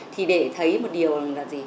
thì để thấy một điều là gì